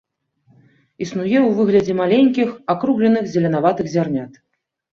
Існуе ў выглядзе маленькіх, акругленых зеленаватых зярнят.